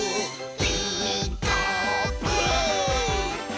「ピーカーブ！」